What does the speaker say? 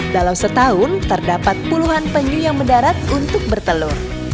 dalam setahun terdapat puluhan penyu yang mendarat untuk bertelur